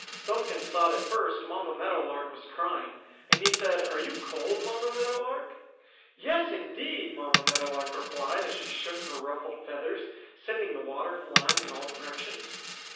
Thumbkins thought at first Mamma Meadow Lark was crying, and he said: "Are you cold, Mamma Meadow Lark?" "Yes, indeed!" Mamma Meadow Lark replied as she shook her ruffled feathers, sending the water flying in all directions.